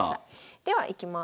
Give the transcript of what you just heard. ではいきます。